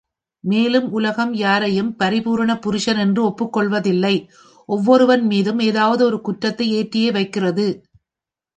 மேலும், உலகம் யாரையும் பரிபூரண புருஷன் என்று ஒப்புக்கொள்வதில்லை ஒவ்வொருவன் மீதும் ஏதாவது ஒரு குற்றத்தை ஏற்றியே வைக்கிறது.